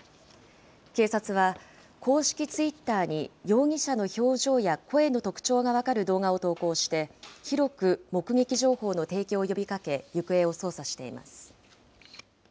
警察は公式ツイッターに容疑者の表情や声の特徴が分かる動画を投稿して、広く目撃情報の提供を呼びかけ、行方を捜査しています。